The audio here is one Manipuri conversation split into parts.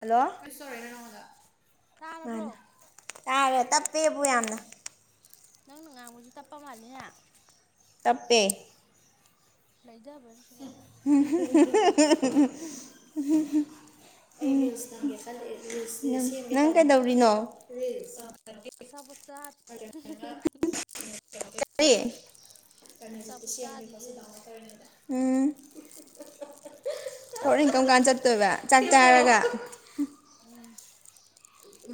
ꯍꯜꯂꯣ [unintelligible] ꯇꯥꯔꯕ꯭ꯔꯣ ꯃꯥꯅꯦ ꯇꯥꯔꯦ ꯇꯞꯄꯦꯕꯨ ꯌꯥꯝꯅ ꯅꯪꯅ ꯉꯥꯡꯕꯁꯨ ꯇꯞꯄ ꯃꯥꯜꯂꯤꯅ ꯇꯞꯄꯦ ꯂꯩꯗꯕ꯭ꯔ ꯁꯤꯕꯣ [unintelligible] [unintelligible] ꯅꯪ ꯀꯩꯗꯧꯔꯤꯅꯣ ꯑꯆꯥꯄꯣꯠ ꯆꯥ [unintelligible] ꯀꯔꯤ ꯑꯆꯥꯄꯣꯠ ꯆꯥꯔꯤꯌꯦ [unintelligible] ꯎꯝ [unintelligible] ꯍꯣꯔꯦꯟ ꯀꯔꯝ ꯀꯥꯟ ꯆꯠꯇꯣꯏꯕ ꯆꯥꯛ ꯆꯥꯔꯒ ꯎꯝ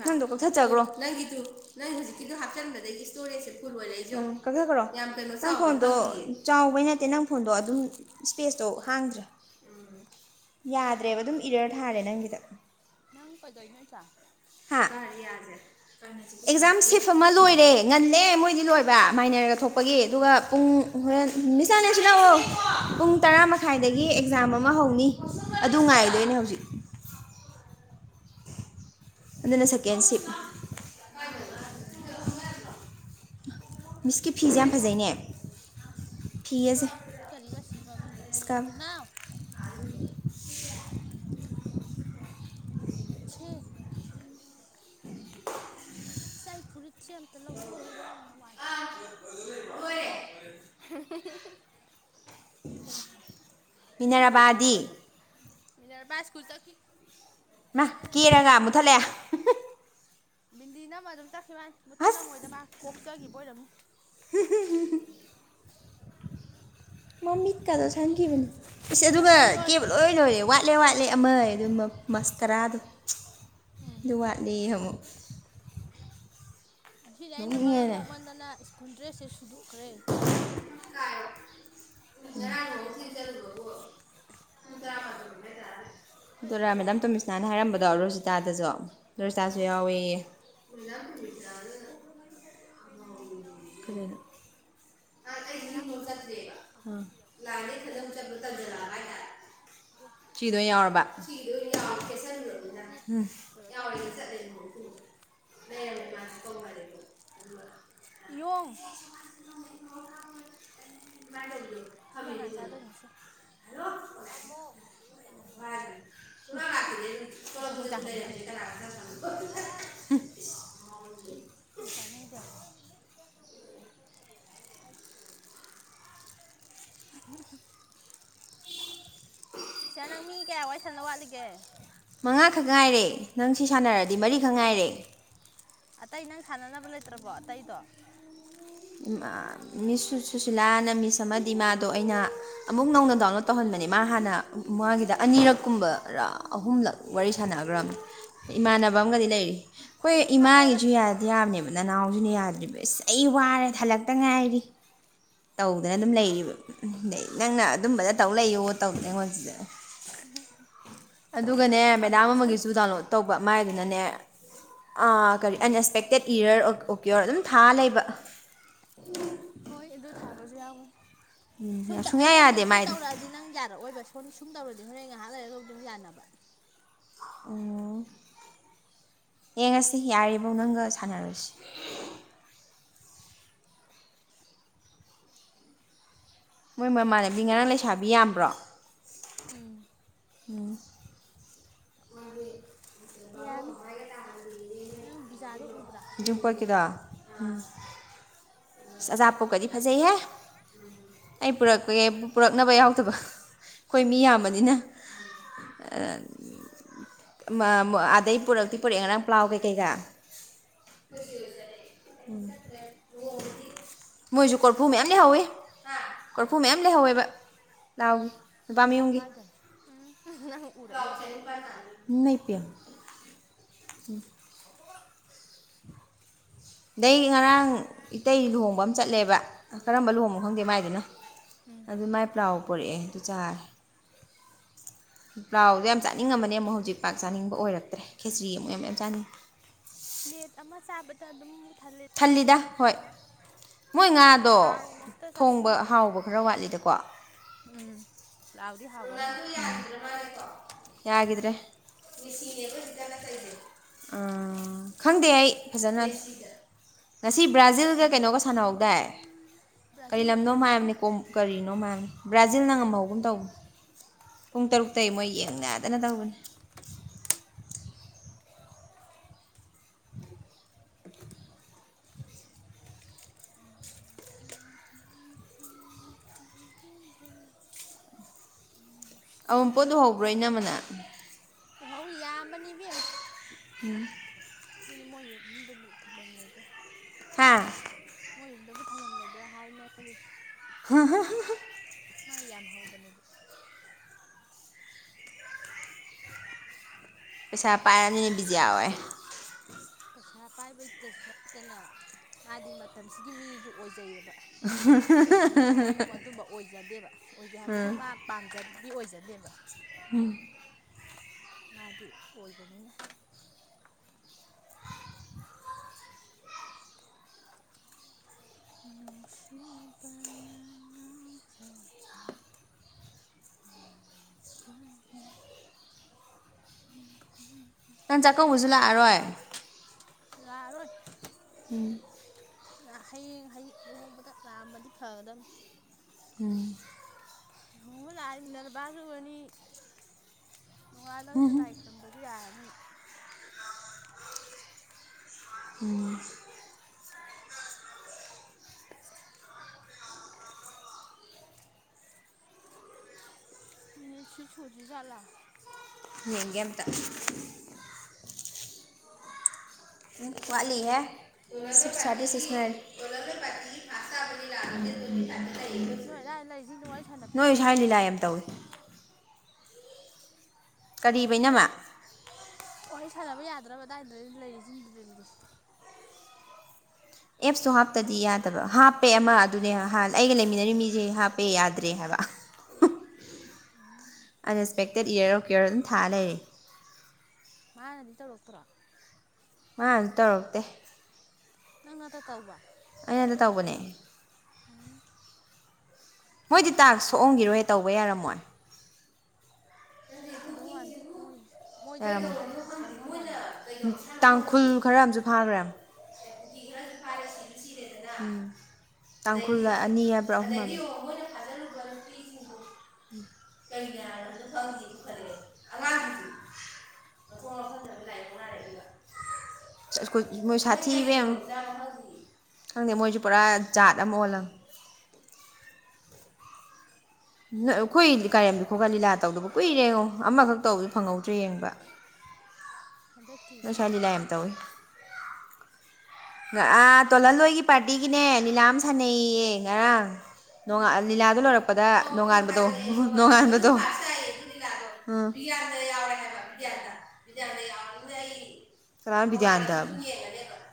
ꯅꯪꯗꯣ ꯀꯛꯊꯠꯆꯒꯔꯣ ꯅꯪꯒꯤꯗꯨ ꯅꯪ ꯍꯨꯖꯤꯛꯀꯤꯗꯨ ꯍꯥꯞꯆꯤꯟꯕꯗꯒꯤ ꯏꯁꯇꯣꯔꯦꯖꯁꯦ ꯐꯨꯜ ꯑꯣꯏꯔꯛꯏꯖꯦ ꯌꯦꯡꯎ ꯀꯛꯊꯠꯈ꯭ꯔꯣ ꯌꯥꯝ [unintelligible] ꯅꯪ ꯐꯣꯟꯗꯣ ꯆꯥꯎꯕꯩ ꯅꯠꯇꯦ ꯅꯪ ꯐꯣꯟꯗꯣ ꯑꯗꯨꯝ ꯏꯁꯄꯦꯁꯇꯣ ꯍꯥꯡꯗ꯭ꯔꯦ ꯌꯥꯗ꯭ꯔꯦꯕ ꯑꯗꯨꯝ ꯏꯔꯔ ꯊꯥꯔꯦ ꯅꯪꯒꯤꯗ ꯅꯪ ꯀꯩꯗꯧꯏꯅꯣ ꯏꯠꯊꯥ ꯍꯥ ꯑꯦꯛꯖꯥꯝ ꯁꯤꯞ ꯑꯃ ꯀꯩꯗꯧꯔꯤ ꯂꯣꯏꯔꯦ ꯉꯟꯂꯦ ꯃꯣꯏꯗꯤ ꯂꯣꯏꯕ ꯃꯥꯏꯅꯔꯒ ꯊꯣꯛꯄꯒꯤ ꯑꯗꯨꯒ ꯄꯨꯡ ꯍꯣꯔꯦꯟ ꯃꯤꯁ [unintelligible] ꯂꯥꯛꯑꯣ ꯄꯨꯡ ꯇꯔꯥ ꯃꯈꯥꯏꯗꯒꯤ ꯑꯦꯛꯖꯥꯝ ꯑꯃ ꯍꯧꯅꯤ ꯑꯗꯨ ꯉꯥꯏꯗꯣꯏꯅꯦ ꯍꯧꯖꯤꯛ ꯑꯗꯨꯅ ꯁꯦꯀꯦꯟ ꯁꯤꯞ ꯎꯝ ꯃꯤꯁꯀꯤ ꯐꯤꯖꯦ ꯌꯥꯝ ꯐꯖꯩꯅꯦ ꯐꯤ ꯑꯖꯦ ꯀꯔꯤꯕ ꯑꯁꯤ ꯃꯃꯤꯡꯗꯣ ꯀꯨꯇꯨꯅꯥꯎ [unintelligible] ꯑꯁ ꯑꯩ ꯐꯨꯔꯤꯠꯁꯦ ꯑꯝꯇ ꯂꯧꯊꯣꯛꯎꯒꯦꯗ ꯌꯥꯝꯅ ꯋꯥꯏ ꯆꯤꯜꯂꯦ ꯉꯥꯏꯈꯣꯀꯣ [unintelligible] [unintelligible] ꯃꯤꯅꯔꯥꯕꯥꯗꯤ [unintelligible] ꯃꯤꯅꯠ ꯕꯥꯏꯁꯀꯨ ꯃꯥ ꯆꯠꯈꯤꯩꯅ ꯀꯦꯔꯒ ꯊꯤꯟꯗꯣꯔꯤꯕꯅꯤ ꯃꯨꯊꯠꯂꯛꯑꯦ ꯕꯤꯟꯗꯤ ꯅꯃ ꯑꯗꯨꯝ ꯆꯠꯈꯤꯕꯅꯤ ꯑꯁ ꯃꯨꯠꯊꯠꯂꯝꯃꯣꯏꯗ ꯃꯥ ꯀꯣꯛꯆꯒꯤꯕ ꯑꯣꯏꯔꯝꯅꯤ [unintelligible] ꯃꯃꯤꯠꯀꯗꯣ ꯁꯪꯈꯤꯕꯅꯤ ꯏꯁ ꯑꯗꯨꯒ ꯆꯥꯍꯩꯔꯣꯏ ꯀꯦꯕ ꯂꯣꯏ ꯂꯣꯏꯔꯦ ꯋꯥꯠꯂꯦ ꯋꯥꯠꯂꯦ ꯑꯃ ꯑꯦ ꯑꯗꯨꯒ ꯃ ꯃꯁꯇꯔꯥꯗꯣ ꯎꯝ ꯑꯗꯨ ꯋꯥꯠꯂꯦꯌꯦ ꯑꯃꯨꯛ ꯉꯁꯤꯗꯤ ꯑꯩꯅ ꯃꯔꯝ ꯅꯣꯛꯅꯤꯡꯉꯦꯅꯦ ꯃꯣꯛꯃꯟꯗꯅ ꯁ꯭ꯀꯨꯜ ꯗ꯭ꯔꯦꯁꯁꯦ ꯁꯨꯗꯣꯛꯈ꯭ꯔꯦ [unintelligible] ꯂꯥꯛꯍꯧꯔꯦ ꯃꯨꯡ ꯇꯔꯥꯃꯥꯊꯣꯏ ꯃꯈꯥꯏ [unintelligible] ꯍꯣꯏ ꯗꯨꯔꯥ ꯃꯦꯗꯥꯝ ꯇꯨꯃꯤ ꯅꯍꯥꯟ ꯍꯥꯏꯔꯝꯕꯗꯣ ꯔꯣꯖꯤꯇꯥꯗꯁꯨ ꯔꯣꯖꯤꯇꯥꯁꯨ ꯌꯥꯎꯋꯦꯌꯦ ꯏꯕꯣꯛꯂꯣ ꯃꯔꯤ ꯆꯠꯂꯌꯦ ꯀꯩꯅꯥꯒꯤꯗ ꯌꯥꯎꯕ ꯀꯩꯗꯧꯏꯅꯣ ꯉꯍꯥꯟꯁꯦ ꯑꯩ ꯌꯨꯝ ꯂꯣꯝ ꯄꯨꯔꯛꯄꯅꯦ ꯆꯠꯇ꯭ꯔꯦꯕ ꯁꯤꯗ ꯑꯍꯨꯝ ꯑꯥ ꯄꯤꯔꯛ ꯑꯍꯨꯝ ꯑꯁꯤꯗ [unintelligible] ꯑꯩꯅ ꯊꯨꯒꯥꯏꯔ ꯇꯟꯖꯟꯂꯛꯑꯕ ꯍꯥꯏꯇꯥꯔꯦ ꯍꯥꯞꯆꯤꯜꯂꯛꯄ ꯕꯣꯛꯁꯇꯨꯗꯗꯤ ꯏꯆꯤꯗꯣ ꯑꯣꯏ ꯍꯥꯞꯄ ꯌꯥꯗꯦ ꯌꯥꯎꯔꯕ ꯏꯆꯦꯒꯤꯗꯣ ꯑꯣꯏ ꯌꯥꯎꯔꯕ ꯃꯥꯗꯤ ꯀꯩꯅꯣ [unintelligible] ꯌꯥꯎꯔꯦ ꯇꯧꯔꯅꯤ ꯆꯠꯂꯦꯕꯀꯣ ꯑꯃꯨꯛ ꯑꯗꯩ ꯑꯃꯨꯛ ꯃꯥꯁꯦ ꯀꯧꯅꯔꯦ [unintelligible] ꯌꯣꯡ [unintelligible] [unintelligible] ꯁꯤ ꯀꯅꯥꯅ ꯆꯥꯗꯣꯏꯅꯣ ꯁꯦ ꯊꯝꯃꯣ ꯑꯗꯨꯒꯥ ꯖꯥꯍꯜꯂꯣ ꯁꯤ ꯊꯤꯕꯨꯣꯡꯖꯥꯎ ꯅꯦꯁꯤ ꯑꯥꯎ ꯎ [unintelligible] ꯃ ꯆꯥꯅꯤꯡꯗꯦ [inaudible] ꯏꯆꯦ [unintelligible] ꯅꯪ ꯃꯤ ꯀꯌꯥ ꯋꯥꯔꯤ ꯁꯥꯟꯅꯗꯧ ꯋꯥꯠꯂꯤꯒꯦ ꯃꯉꯥꯈꯛ ꯉꯥꯏꯔꯦ ꯅꯪ ꯁꯤ ꯁꯥꯟꯅꯔꯗꯤ ꯃꯔꯤꯈꯛ ꯉꯥꯏꯔꯦ ꯑꯇꯩ ꯅꯪ ꯁꯥꯟꯅꯅꯕ ꯂꯩꯇ꯭ꯔꯕꯣ ꯑꯇꯩꯗꯣ ꯃꯤꯁ ꯁꯨꯁꯤꯂꯥꯅ ꯃꯤꯁ ꯑꯃꯗꯤ ꯏꯃꯥꯗꯣ ꯑꯩꯅ ꯑꯃꯨꯛ ꯅꯧꯅ ꯗꯥꯎꯟꯂꯣꯗ ꯇꯧꯍꯟꯕꯅꯦ ꯃꯥ ꯍꯥꯟꯅ ꯃꯥꯒꯤꯗ ꯑꯅꯤꯔꯛꯀꯨꯝꯕꯔ ꯑꯍꯨꯝꯂꯛ ꯋꯥꯔꯤ ꯁꯥꯟꯅꯈ꯭ꯔꯕꯅꯤ ꯏꯃꯥꯟꯅꯕ ꯑꯃꯒꯗꯤ ꯂꯩꯔꯤ ꯍꯣꯏ ꯑꯗꯨꯝ ꯍꯥꯞꯄꯛꯑꯣꯗ ꯏꯃꯥꯒꯤꯁꯨ ꯌꯥꯗꯤ ꯌꯥꯕꯅꯦꯕ ꯅꯅꯥꯎꯁꯤꯅ ꯌꯥꯗ꯭ꯔꯤꯕ ꯏꯁ ꯑꯩ ꯋꯥꯔꯦ ꯊꯜꯂꯛꯇ ꯉꯥꯏꯔꯤ ꯇꯧꯗꯅ ꯑꯗꯨꯝ ꯂꯩꯔꯤꯕ ꯑꯗꯩ ꯅꯪꯅ ꯑꯗꯨꯝꯕꯗ ꯇꯧ ꯂꯩꯌꯣ ꯇꯧꯗꯅ ꯑꯩꯉꯣꯟꯁꯤꯗ ꯎ [unintelligible] ꯑꯗꯨꯒꯅꯦ ꯃꯦꯗꯥꯝ ꯑꯃꯒꯤꯁꯨ ꯗꯥꯎꯟꯂꯣꯗ ꯇꯧꯕ ꯃꯥꯏꯗꯨꯅꯅꯦ ꯀꯔꯤ ꯑꯟꯑꯁꯄꯦꯛꯇꯦꯠ ꯏꯌꯔ ꯑꯣꯀꯦ ꯑꯣꯔ ꯑꯗꯨꯝ ꯊꯥ ꯂꯩꯕ ꯍꯣꯏ ꯑꯗꯨ ꯊꯥꯕꯁꯨ ꯌꯥꯎꯋꯦ ꯁꯨꯝ ꯎꯝ ꯁꯨꯡꯌꯥ ꯑꯩꯉꯣꯟꯗ ꯌꯥꯗꯦ ꯁꯨꯝ ꯃꯥꯏꯗꯣ ꯇꯧꯔꯛꯑꯗꯤ ꯍꯥꯏ ꯅꯪ ꯌꯥꯔꯛꯑꯣꯏꯕ ꯁꯣꯝ ꯁꯨꯝ ꯇꯧꯔꯗꯤ ꯍꯣꯔꯦꯟ ꯉꯥꯏꯍꯥꯛ ꯂꯩꯔꯒꯕꯨꯗꯤ ꯑꯗꯨꯨꯛ ꯌꯥꯅꯕ ꯎꯝ ꯌꯦꯡꯉꯁꯤ ꯌꯥꯔꯤꯕꯧ ꯅꯪꯒ ꯁꯥꯟꯅꯔꯨꯔꯁꯤ ꯃꯣꯏ ꯃꯃꯥꯟꯅꯕꯤ ꯉꯔꯥꯡ ꯂꯩꯁꯥꯕꯤ ꯌꯥꯝꯕ꯭ꯔꯣ ꯎꯝ ꯎꯝ ꯃꯥ [unintelligible] ꯌꯥꯃꯤ ꯅꯪ ꯕꯤꯖꯥꯗꯣ ꯎꯕ꯭ꯔꯥ ꯎꯝ ꯑꯆꯥꯄꯣꯠꯀꯗꯤ ꯐꯖꯩ ꯍꯦ꯫ ꯑꯩ ꯄꯨꯔꯛꯄꯒꯤ ꯑꯆꯥꯄꯣꯠ ꯄꯨꯔꯛꯅꯕ ꯌꯥꯎꯇꯕ ꯑꯩꯈꯣꯏ ꯃꯤ ꯌꯥꯝꯕꯅꯤꯅ ꯑꯗꯩ ꯄꯨꯔꯛꯇꯤ ꯄꯨꯔꯛꯑ ꯉꯔꯥꯡ ꯄ꯭ꯂꯥꯎ ꯀꯩ ꯀꯩꯒ ꯎꯝ ꯃꯣꯏꯁꯨ ꯀꯣꯔꯐꯨ ꯃꯌꯥꯝ ꯂꯩꯍꯧꯋꯤ ꯀꯣꯔꯐꯨ ꯃꯌꯥꯝ ꯂꯩꯍꯧꯋꯦꯕ ꯄꯂꯥꯎꯒꯤ ꯅꯨꯄꯥꯃꯌꯨꯝꯒꯤ ꯀꯥꯏꯗꯅꯣ ꯎꯝ ꯅꯪ ꯎꯔꯛꯏꯕ ꯏꯃꯩꯄꯦꯝ ꯎ [inaudible] [inaudible] ꯑꯗꯩ ꯉꯔꯥꯡ ꯏꯇꯩ ꯂꯨꯍꯣꯡꯕ ꯑꯃ ꯆꯠꯂꯦꯕ ꯀꯔꯝꯕ ꯂꯨꯍꯣꯡꯕꯣ ꯈꯪꯗꯦ ꯃꯥꯏꯗꯨꯅ ꯎꯝ ꯑꯗꯨ ꯃꯥꯏ ꯄ꯭ꯂꯥꯎ ꯄꯨꯔꯛꯑꯦ ꯑꯗꯨ ꯆꯥꯔꯦ ꯄ꯭ꯂꯥꯎꯗꯣ ꯌꯥꯝ ꯆꯥꯅꯤꯡꯉꯝꯕꯅꯦ ꯑꯃꯨꯛ ꯍꯧꯖꯤꯛ ꯄꯥꯛ ꯆꯥꯅꯤꯡꯕ ꯑꯣꯏꯔꯛꯇ꯭ꯔꯦ ꯈꯦꯆ꯭ꯔꯤ ꯑꯃꯨꯛ ꯌꯥꯝ ꯆꯥꯅꯤꯡꯉꯦ ꯄ꯭ꯂꯦꯠ ꯑꯃ ꯆꯥꯕꯗ ꯑꯗꯨꯝꯕꯨ ꯊꯜꯂꯦ ꯊꯜꯂꯤꯗ ꯍꯣꯏ ꯃꯣꯏ ꯍꯥꯏꯕꯗꯤ ꯉꯥꯗꯣ ꯊꯥꯎꯃꯛꯇ ꯊꯣꯡꯕ ꯆꯥꯁꯤꯟꯕꯗ ꯍꯥꯎꯕ ꯈꯔ ꯋꯥꯠꯂꯤꯗꯀꯣ ꯎꯝ ꯄꯂꯥꯎꯗꯤ ꯍꯥꯎꯕ ꯃꯥꯜꯂꯤ ꯌꯥꯒꯤꯗ꯭ꯔꯦ ꯈꯪꯗꯦ ꯑꯩ ꯐꯖꯅ ꯉꯁꯤ ꯕ꯭ꯔꯥꯖꯤꯜꯒ ꯀꯩꯅꯣꯒ ꯆꯪꯕ꯭ꯔꯩ ꯁꯥꯟꯅꯍꯧꯗꯥꯏ ꯃꯥꯅ ꯀꯔꯤ ꯕ꯭ꯔꯥꯖꯤꯜꯅ ꯂꯝꯅꯣꯃ ꯊꯣꯏꯔꯝꯃꯅꯤ ꯍꯥꯌꯕꯅꯦ ꯀꯣꯝ ꯀꯔꯤꯅꯣ ꯃꯕꯅꯦ ꯕ꯭ꯔꯥꯖꯤꯜꯅ ꯕ꯭ꯔꯥꯖꯤꯜ ꯉꯝꯍꯧꯒꯨꯝ ꯇꯧꯕꯅꯤ ꯄꯨꯡ ꯎꯝ ꯇꯔꯨꯛꯇꯩꯒꯤ ꯃꯣꯏ ꯌꯦꯡꯅꯗꯅ ꯇꯧꯕꯅꯤ ꯄꯤꯗ꯭ꯔ [unintelligible] ꯑꯎꯟꯄꯣꯠ ꯎꯍꯧꯕꯔꯣ ꯏꯅꯝꯃꯥ ꯅꯪ ꯎꯍꯧꯏ ꯌꯥꯝꯕꯅꯤ ꯏꯕꯦꯝ ꯎꯝ ꯑꯗꯨꯅꯤ ꯃꯣꯏ ꯌꯨꯝꯗꯕꯨ ꯊꯝꯐꯝ ꯂꯩꯕ꯭ꯔꯥ ꯍꯥꯥ ꯃꯣꯏ ꯌꯨꯝꯗꯕꯨ ꯊꯝꯐꯝ ꯂꯩꯕ꯭ꯔꯥ ꯍꯥꯏꯅꯔꯤꯁꯤ [unintelligible] ꯃꯥ ꯌꯥꯝ ꯍꯧꯕꯅꯦꯕ ꯄꯩꯁꯥ ꯄꯥꯏꯔꯝ ꯅꯤꯅꯦ ꯕꯤꯖꯤꯌꯥ ꯍꯣꯢ ꯄꯩꯁꯥ ꯄꯥꯏꯕꯩꯇꯁꯨ ꯅꯠꯇꯅ ꯃꯥꯗꯤ ꯃꯇꯝꯁꯤꯒꯤ ꯃꯤꯁꯨ ꯑꯣꯏꯖꯩꯑꯦꯕ ꯑꯩꯈꯣꯏ ꯏꯅꯝꯃ ꯍꯣꯏꯅ ꯑꯃꯨꯛ ꯑꯗꯨꯝꯕ ꯑꯣꯏꯖꯗꯦꯕ ꯑꯣꯏꯗꯦ ꯍꯥꯏꯕꯗꯤ ꯁꯨꯝ ꯃꯥ ꯄꯥꯝꯖꯕꯤ ꯑꯣꯏꯖꯗꯦꯕ ꯎꯝ ꯃꯥꯗꯤ ꯑꯣꯏꯕꯅꯤꯅ ꯏꯕꯅꯤ ꯅꯪ ꯆꯥꯛꯀꯧꯕꯁꯨ ꯂꯥꯛꯑꯔꯣꯏ ꯂꯥꯛꯑꯔꯣꯏ ꯎꯝ ꯍꯌꯦꯡ ꯂꯨꯍꯣꯡꯕꯗ ꯂꯥꯛꯑꯝꯃꯗꯤ ꯐꯒꯗꯝꯕꯅꯤ ꯎꯝ ꯅꯣꯡꯉꯣꯟ ꯂꯥꯏꯑꯗꯤ ꯃꯤꯅꯔꯕꯁꯨ ꯎꯔꯅꯤ ꯅꯣꯡꯉꯥꯜꯂꯁꯨ ꯂꯥꯏ ꯈꯨꯔꯝꯕꯁꯨ ꯌꯥꯔꯅꯤ ꯎꯝ ꯅꯤꯠꯁꯨ ꯁꯨꯗꯔꯤꯖꯥꯠ ꯂꯥ ꯌꯦꯡꯒꯦ ꯑꯝꯇꯥ ꯋꯥꯠꯂꯤ ꯍꯥꯏ ꯁꯤꯛꯁ ꯊꯥꯔꯇꯤ ꯁꯤꯁ ꯉꯥꯏ ꯅꯣꯏ ꯑꯗꯥꯏ ꯂꯩꯔꯤꯁꯤꯡꯗꯣ ꯋꯥꯔꯤ ꯁꯥꯟꯅꯕꯤ ꯅꯣꯏ ꯌꯥꯗ꯭ꯔꯣ ꯁꯥꯏ ꯂꯤꯂꯥ ꯑꯝꯇ ꯑꯃ ꯇꯧꯋꯤ ꯀꯔꯤꯕ ꯏꯅꯝꯃ [unintelligible] ꯏꯅꯝꯃꯥ ꯋꯥꯔꯤ ꯁꯥꯟꯅꯕ ꯌꯥꯗ꯭ꯔꯕ ꯑꯗꯥꯏꯗꯥ ꯂꯩꯔꯤ ꯁꯤꯡꯗꯨꯗꯗꯤ? ꯑꯦꯞꯁꯇꯣ ꯍꯥꯞꯇꯗꯤ ꯌꯥꯗꯕ ꯍꯥꯞꯄꯦ ꯑꯃ ꯑꯗꯨꯅꯦ ꯍꯥ ꯍꯥ ꯑꯩꯒ ꯂꯩꯃꯤꯟꯅꯔꯤ ꯃꯤꯁꯦ ꯍꯥꯞꯄꯦ ꯌꯥꯗ꯭ꯔꯦ ꯍꯥꯏꯕ ꯎꯝ [unintelligible] [unintelligible] ꯑꯟꯔꯦꯁꯄꯦꯛꯇꯦꯠ ꯌꯦꯔ ꯑꯣꯐ ꯀꯤꯌꯔ ꯑꯗꯨꯝ ꯊꯥ ꯂꯩꯔꯦ ꯃꯥꯅꯗꯤ ꯇꯧꯔꯛꯇ꯭ꯔꯣ? ꯃꯟꯅꯁꯨ ꯇꯧꯔꯛꯇꯦ꯫ ꯅꯪ ꯅꯠꯇꯥ ꯇꯧꯋꯥ? ꯑꯩꯅꯗ ꯇꯧꯕꯅꯦ꯫ ꯎꯝ ꯃꯣꯏꯗꯤ ꯇꯥꯛꯁ ꯁꯣꯛꯉꯝꯒꯤꯔꯣꯏ ꯇꯧꯕ ꯌꯥꯔꯝꯃꯣꯏ ꯊꯣꯛꯑꯝꯗꯧ ꯃꯥꯟꯗꯦ ꯃꯣꯏꯖ ꯃꯣꯏꯗꯤ ꯄꯩꯁꯥ ꯆꯪꯉꯝꯃꯣꯏꯅꯦ ꯀꯩꯅꯣ [unintelligible] ꯇꯥꯡꯈꯨꯜ ꯈꯔ ꯑꯝꯁꯨ ꯐꯥꯈ꯭ꯔꯦꯝ ꯀꯨꯀꯤ ꯈ꯭ꯔꯖꯨ [unintelligible] ꯁꯤꯁꯨ ꯁꯤꯔꯦꯗꯅ ꯎꯝ ꯇꯥꯡꯈꯨꯜꯒꯥ ꯑꯗꯩ ꯑꯅꯤ ꯍꯥꯏꯕ꯭ꯔꯥ ꯑꯗꯒꯤ ꯑꯍꯨꯝ ꯍꯥꯏꯕ꯭ꯔꯥ ꯀꯩꯩꯅ ꯍꯥꯏ ꯈꯪꯗꯦ ꯐꯔꯦ ꯑꯉꯥꯡꯁꯤꯡꯁꯨ ꯃꯊꯣꯡ [inaudible] [unintelligible] ꯆꯥ ꯁ꯭ꯀꯨꯜ ꯃꯣꯏ ꯁꯥꯊꯤ [unintelligible] ꯈꯪꯗꯤꯌꯦ ꯈꯪꯗꯦ ꯃꯣꯏꯁꯨ ꯄꯨꯔꯥ ꯖꯥꯠ ꯑꯝ ꯑꯣꯜꯂꯝ ꯅꯣꯏ ꯈꯣꯏ ꯀꯥꯏꯔꯦꯝꯗꯨ ꯈꯣꯠꯀ ꯂꯤꯂꯥ ꯇꯧꯗꯕ ꯀꯨꯏꯔꯦꯉꯣ ꯑꯃꯈꯛ ꯇꯧꯕꯗꯣ ꯐꯪꯍꯧꯗ꯭ꯔꯦ ꯌꯦꯡꯕ ꯍꯟꯗꯛꯀꯤ [unintelligible] ꯂꯤꯂꯥ ꯌꯝ ꯇꯧꯏ ꯒꯥ ꯑꯥ ꯇꯣꯜꯍꯟꯂꯣꯏꯒꯤ ꯄꯥꯔꯇꯤꯒꯤꯅꯦ ꯂꯤꯂꯥ ꯑꯝ ꯁꯥꯟꯅꯩꯌꯦ ꯉꯔꯥꯡ ꯑꯥ ꯅꯣꯡꯉꯟ ꯂꯤꯂꯥꯗꯣ ꯂꯣꯏꯔꯛꯄꯗ [unintelligible] ꯅꯣꯡꯉꯥꯟꯕꯗꯣ ꯅꯣꯡꯉꯥꯟꯕꯗꯣ [unintelligible] ꯑꯥ ꯂꯤꯂꯥꯗꯣ ꯕꯤꯗ꯭ꯌꯥꯅꯟꯗꯥ ꯌꯥꯎꯔꯦ ꯍꯥꯏꯕ ꯕꯤꯗ꯭ꯌꯥꯅꯟꯗꯥ ꯕꯤꯗ꯭ꯌꯥꯅꯟꯗꯥ ꯌꯧꯅꯤꯡ [unintelligible] ꯑꯩ [unintelligible] ꯀꯅꯅꯣ ꯕꯤꯗ꯭ꯌꯥꯅꯟꯗ [unintelligible]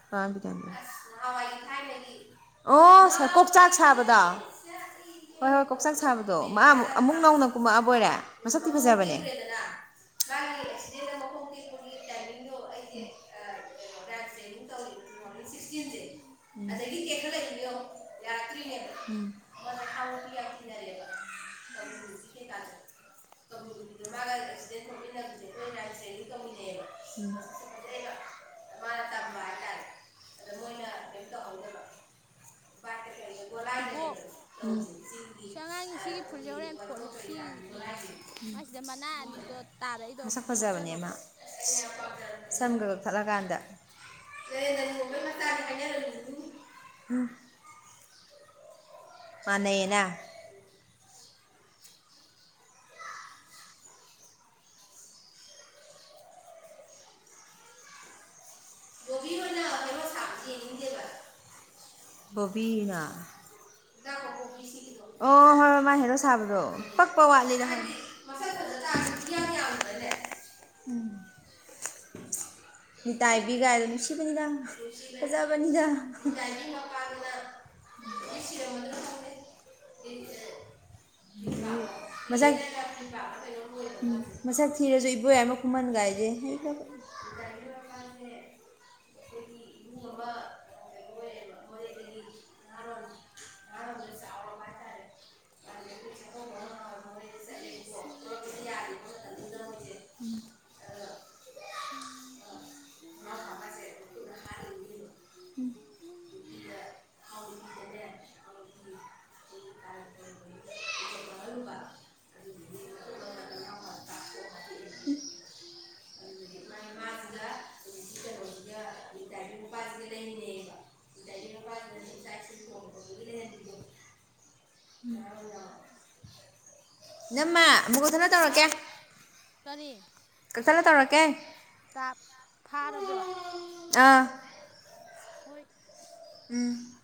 ꯀꯅꯅꯣ ꯕꯤꯗ꯭ꯌꯥꯅꯟꯗ ꯑꯁ ꯅꯍꯥꯟꯋꯥꯏꯒꯤ ꯊꯥꯏꯅꯒꯤ ꯑꯣ [unintelligible] ꯀꯣꯛꯆꯥꯛ ꯁꯥꯕꯗꯣ? [unintelligible] ꯍꯣꯏ ꯍꯣꯏ ꯀꯥꯛꯆꯥꯛ ꯁꯥꯕꯗꯣ ꯃꯥ ꯑꯃꯨꯛ ꯑꯃꯨꯛ ꯅꯧꯅ ꯀꯨꯝꯃꯛꯑꯕꯣꯏꯔꯦ ꯃꯁꯛꯇꯤ ꯐꯖꯕꯅꯦ [unintelligible] ꯃꯥꯒꯤ ꯑꯦꯛꯁꯤꯗꯦꯟꯗ ꯃꯈꯣꯡ ꯇꯦꯛꯄꯒꯤ ꯇꯥꯏꯃꯤꯡꯗꯣ ꯑꯩꯁꯦ ꯑꯥ ꯀꯤꯅꯣ [unintelligible] ꯇ꯭ꯔꯦꯅꯤꯡ ꯇꯧꯔꯤꯕ [unintelligible] ꯎꯝ ꯑꯗꯒꯤ ꯇꯦꯛꯈꯠꯂꯛꯏꯅꯦ ꯌꯦꯡꯎ ꯌꯥꯔꯛꯇ꯭ꯔꯤꯅꯦ ꯎꯝ [unintelligible] ꯇꯤꯟꯅꯔꯛꯑꯦꯕ ꯇꯔꯨꯕꯤ ꯉꯥꯡꯉꯁꯨ ꯀꯩꯀꯥ [unintelligible] [unintelligible] ꯃꯥꯒ ꯑꯦꯛꯁꯤꯗꯦꯟ ꯊꯣꯛꯃꯤꯟꯅꯁꯦ ꯈꯣꯏ [unintelligible] ꯇ꯭ꯔꯦꯅꯤꯡ ꯇꯧꯃꯤꯟꯅꯌꯦꯕ ꯎꯝ [unintelligible] ꯑꯩꯅ ꯃꯟꯅꯥ ꯇꯝꯕ ꯍꯥꯏꯇꯔꯦ ꯑꯗꯣ ꯃꯣꯏꯅꯥ ꯀꯦꯝ ꯇꯧꯍꯩꯗꯕ ꯕꯥꯏꯛ ꯇꯥ ꯀꯩ ꯗꯥ ꯏꯕꯣꯛ ꯁꯤ ꯑꯉꯥꯡꯒꯤ ꯁꯤꯒꯤ ꯐꯨꯔꯤꯠꯁꯦ ꯍꯧꯔꯦꯟ ꯐꯣꯠꯂꯨ ꯁꯤꯒꯤ ꯒꯤꯖꯦ ꯃꯥꯏꯁꯤꯗ ꯃꯅꯥ ꯑꯅꯤꯗꯣ ꯇꯥꯔꯛꯏꯗꯣ ꯐꯣꯠꯆꯜꯂꯣꯕ [unintelligible] ꯑꯩꯅ ꯌꯝ ꯄꯝꯖ [unintelligible] ꯁꯝꯒ ꯀꯛꯊꯠꯂꯀꯥꯟꯗ ꯅꯩꯌꯦ ꯅꯩꯌꯦ ꯇꯣꯝꯕꯩ ꯃꯆꯥꯅꯤ ꯍꯥꯏꯅꯔꯝ ꯃꯤꯅꯤ ꯎꯝ ꯃꯟꯅꯩꯌꯦꯅꯥ ꯕꯣꯕꯤ ꯈꯣꯏꯅ ꯍꯦꯔꯣ ꯁꯥꯕꯁꯤ ꯌꯦꯡꯅꯤꯡꯗꯦꯕ ꯕꯣꯕꯤ ꯅꯥ [unintelligible] [unintelligible] ꯄꯣꯛꯄꯤ ꯁꯤꯒꯤꯗꯣ ꯑꯣ ꯍꯣꯏ ꯍꯣꯏ ꯃꯥ ꯍꯦꯔꯣ ꯁꯥꯕꯗꯣ ꯄꯛꯄ ꯋꯥꯠꯂꯤꯗ ꯍꯥꯏꯗꯤ ꯃꯥꯁꯛ [unintelligible] ꯇꯔꯁꯨ ꯏꯌꯥꯡ ꯌꯥꯡꯗ꯭ꯔꯅꯦ ꯎꯝ ꯅꯤꯇꯥꯏ ꯕꯤꯒꯥꯏꯗꯣ ꯅꯨꯡꯁꯤꯕꯅꯤꯗ ꯅꯨꯡꯁꯤꯕꯅꯦ ꯐꯖꯥꯕꯅꯤꯗ ꯅꯤꯇꯥꯏꯒꯤ ꯃꯄꯥꯗꯨꯅ [unintelligible] ꯅꯨꯡꯁꯤꯔꯝꯒꯗ꯭ꯔ ꯈꯪꯗꯦ [unintelligible] ꯃꯁꯛ [unintelligible] ꯃꯁꯦ ꯃꯁꯛ ꯊꯤꯔꯁꯨ ꯏꯕꯣꯌꯥꯏꯃꯥ ꯈꯨꯃꯟ ꯀꯥꯏꯁꯦ ꯍꯩꯈ꯭ꯔꯕ ꯇꯦ [unintelligible] ꯑꯈꯣꯏꯒꯤ ꯏꯃꯨꯡ ꯑꯃ [unintelligible] ꯑꯣꯏꯌꯦꯕ ꯃꯣꯔꯦꯗꯒꯤ ꯅꯍꯥꯔꯣꯟ [unintelligible] ꯃꯥꯂꯪ [unintelligible] [unintelligible] ꯇꯝꯊꯤꯅ ꯃꯣꯏꯖꯦ ꯎꯝ [unintelligible] ꯁꯪꯕ꯭ꯔꯩ ꯃꯅꯥꯛꯀꯤ ꯎꯝ ꯆꯤꯡꯍꯤꯅ [unintelligible] [unintelligible] [inaudible] ꯍꯤꯗꯦꯝꯇ ꯅꯨꯄꯥꯁꯤꯗꯤ ꯂꯩꯃꯤꯟꯅꯩꯌꯦꯕ ꯑꯗꯒꯤ ꯅꯨꯄꯥꯁꯤꯅ ꯁꯨꯝ ꯆꯥꯛ ꯏꯁꯤꯡ [inaudible] ꯎꯝ [inaudible] ꯏꯅꯝꯃꯥ ꯑꯃꯨꯛ ꯀꯛꯇꯠꯂꯥ ꯇꯧꯔꯛꯀꯦ ꯍꯥꯎ ꯀꯔꯤ ꯀꯛꯊꯠꯂꯥ ꯇꯧꯔꯛꯀꯦ ꯇꯥꯞ ꯐꯥꯔꯕ꯭ꯔꯣ ꯑꯥ ꯍꯣꯏ ꯎꯝ